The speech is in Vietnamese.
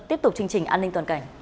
tiếp tục chương trình an ninh toàn cảnh